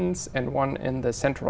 và trong nhiều năm